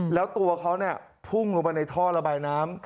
แล้วตัวเขาพุ่งลงไปในท่อระบายน้ำ